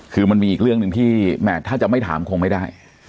คือมันมีอีกเรื่องหนึ่งที่แหมถ้าจะไม่ถามคงไม่ได้